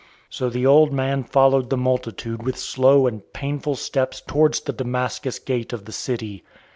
So the old man followed the multitude with slow and painful steps towards the Damascus gate of the city.